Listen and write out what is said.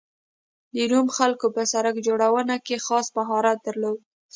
د روم خلکو په سړک جوړونه کې خاص مهارت درلود